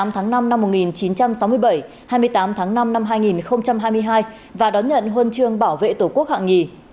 một mươi tháng năm năm một nghìn chín trăm sáu mươi bảy hai mươi tám tháng năm năm hai nghìn hai mươi hai và đón nhận huân chương bảo vệ tổ quốc hạng nhì